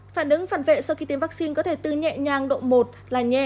phản ứng phản vệ sau khi tiêm vaccine có thể từ nhẹ nhàng độ một là nhẹ